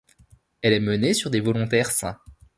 Elle est menée sur des volontaires sains.